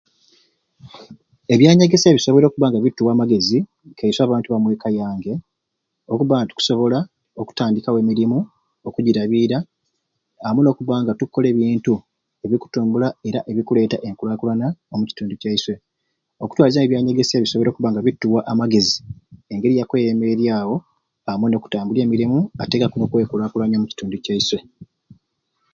Ebyanyegesya bisoboire okubanga bituwa amagezi nkaiswe abantu aba mweka yange okubanga tukusobola okutandikawo emirimu, okugirabiira, amwei n'okubba nga tukola ebintu ebikutumbula era ebikuleeta enkulaakulana omu kitundu kyaiswe, okutwaliza amwei ebyanyegesya bisoboire okubanga bikutuwa amagezi engeri yakweyemeryawo amwei n'okutandika emirimu teekaku n'okwekulaakulanya omu kitundu kyaiswe.